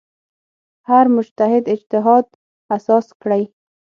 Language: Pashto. هر مجتهد اجتهاد اساس کړی.